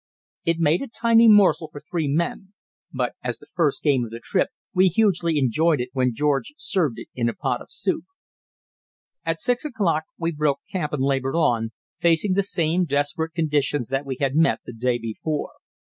It made a tiny morsel for three men, but as the "first game of the trip," we hugely enjoyed it when George served it in a pot of soup. At six o'clock we broke camp and laboured on, facing the same desperate conditions that we had met the day before.